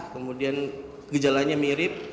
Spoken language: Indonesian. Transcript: kemudian gejalanya mirip